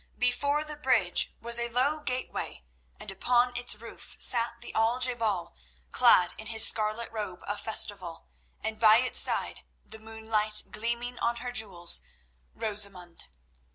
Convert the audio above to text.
Before the bridge was a low gateway, and upon its roof sat the Al je bal, clad in his scarlet robe of festival, and by his side, the moonlight gleaming on her jewels, Rosamund.